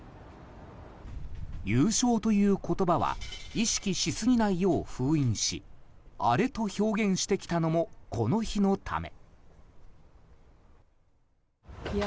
優勝という言葉は意識しすぎないよう封印しアレと表現してきたのもこの日のため。